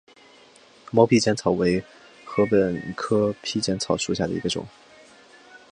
毛披碱草为禾本科披碱草属下的一个种。